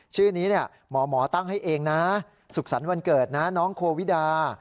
ชื่อนี้หมอตั้งให้เองนะสุขสรรค์วันเกิดนะน้องโควิดา